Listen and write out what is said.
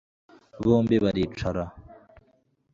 bombi baricara